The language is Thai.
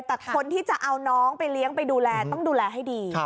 แต่คนที่จะเอาน้องไปเลี้ยงไปดูแลต้องดูแลให้ดี